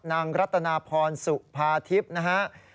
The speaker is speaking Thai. รัตนาพรสุภาทิพย์นะฮะ